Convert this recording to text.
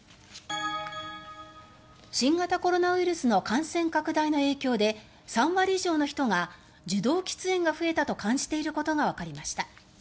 新型コロナウイルスの感染拡大の影響で３割以上の人が受動喫煙が増えたと感じていることがわかりました。